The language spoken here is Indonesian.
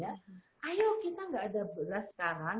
ayo kita nggak ada beras sekarang